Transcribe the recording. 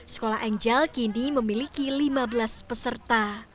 sekolah angel kini memiliki lima belas peserta